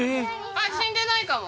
あっ死んでないかも！